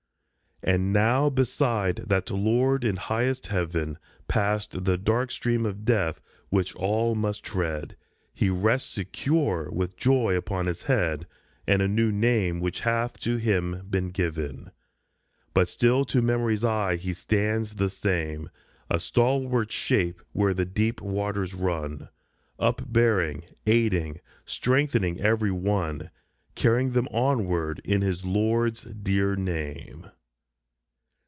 And now beside that Lord in highest Heaven, Past the dark stream of Death, which all must tread, He rests secure, with joy upon his head, And a " New Name " which hath to him been given. But still to memory's eye he stands the same, A stalwart shape where the deep waters run, Upbearing, aiding, strengthening every one, Carrying them onward in his Lord's dear name.